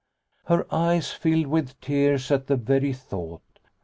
Her eyes filled with tears at the very thought.